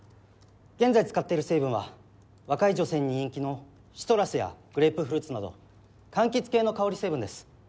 現在使っている成分は若い女性に人気のシトラスやグレープフルーツなど柑橘系の香り成分です。